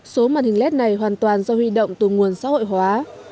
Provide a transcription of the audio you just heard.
số màn hình led này hoàn toàn do huy động từ nguồn xã hội hóa